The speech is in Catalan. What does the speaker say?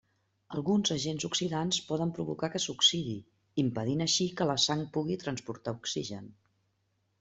Alguns agents oxidants poden provocar que s'oxidi, impedint així que la sang pugui transportar oxigen.